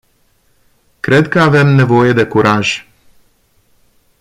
Cred că avem nevoie de curaj.